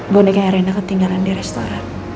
gue nanti kayak rina ketinggalan di restoran